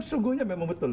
sungguhnya memang betul